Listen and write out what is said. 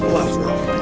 wah enak ya